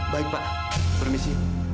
baik pak permisi